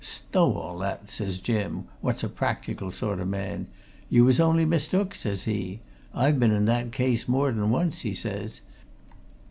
'Stow all that!' says Jim, what's a practical sort o' man. 'You was only mistook' says he. 'I've been in that case more than once,' he says.